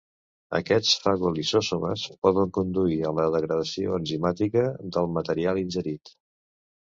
Aquests fagolisosomes poden conduir a la degradació enzimàtica del material ingerit.